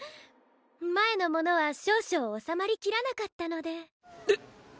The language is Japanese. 前のものは少々おさまりきらなかったのでえっ